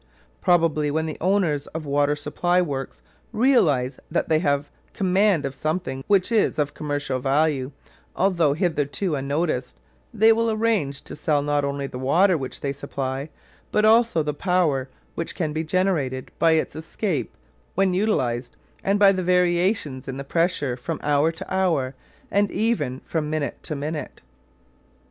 Probably when the owners of water supply works realise that they have command of something which is of commercial value, although hitherto unnoticed, they will arrange to sell not only the water which they supply, but also the power which can be generated by its escape when utilised and by the variations in the pressure from hour to hour and even from minute to minute.